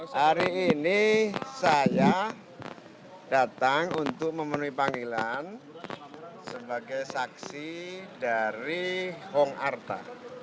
hari ini saya datang untuk memenuhi panggilan sebagai saksi dari hong arta